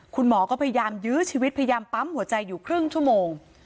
คุณหมอก็พยายามยื้อชีวิตพยายามปั๊มหัวใจอยู่ครึ่งชั่วโมง